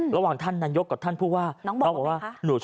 ของท่านนายกจำง่ายเพราะมันสั้นดี